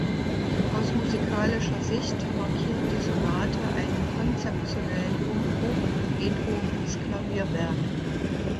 Aus musikalischer Sicht markiert die Sonate einen konzeptionellen Umbruch in Beethovens Klavierwerk.